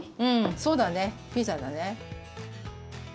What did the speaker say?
そうだねピザだね。